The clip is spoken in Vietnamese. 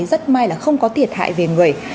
rất may là không có thiệt hại về người